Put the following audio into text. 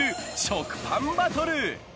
食パンバトル！